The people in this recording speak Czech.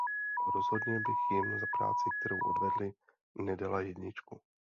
Rozhodně bych jim za práci, kterou odvedli, nedala jedničku.